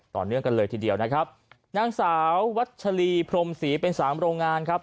ต่อเนื่องกันเลยทีเดียวนะครับนางสาววัชรีพรมศรีเป็นสามโรงงานครับ